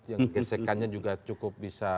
yang gesekannya juga cukup bisa